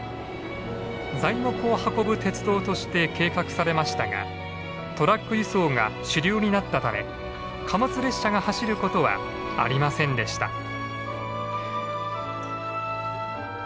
材木を運ぶ鉄道として計画されましたがトラック輸送が主流になったため貨物列車が走ることはありませんでした。